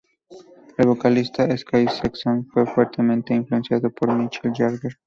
El vocalista, Sky Saxon, fue fuertemente influenciado por Mick Jagger.